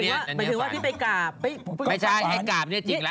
หมายถึงว่าที่ไปกราบไม่ใช่ให้กราบเนี่ยจิกแล้ว